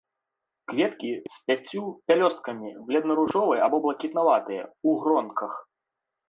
Кветкі з пяццю пялёсткамі, бледна-ружовыя або блакітнаватыя, у гронках.